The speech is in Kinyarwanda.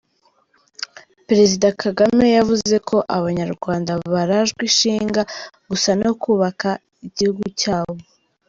Perezida Kagame yavuze ko Abanyarwanda barajwe ishinga gusa no kubaka igihugu cyabo.